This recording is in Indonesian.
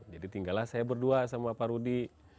jadi tinggal saya berdua sama pak rudi